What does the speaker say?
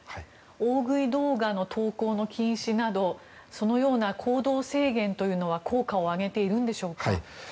大食い動画の投稿の禁止などそのような行動制限というのは効果を上げているんでしょうか。